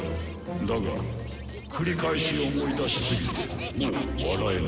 だが繰り返し思い出しすぎてもう笑えぬ。